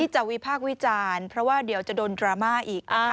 วิพากษ์วิจารณ์เพราะว่าเดี๋ยวจะโดนดราม่าอีก